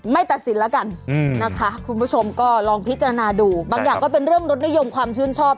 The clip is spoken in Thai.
ตัดสินแล้วกันนะคะคุณผู้ชมก็ลองพิจารณาดูบางอย่างก็เป็นเรื่องรสนิยมความชื่นชอบ